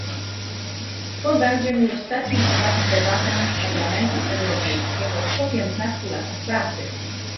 To będzie mój ostatni wkład w debatę Parlamentu Europejskiego, po piętnastu latach pracy